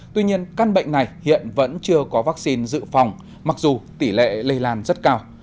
tuy nhiên căn bệnh này hiện vẫn chưa có vaccine dự phòng mặc dù tỷ lệ lây lan rất cao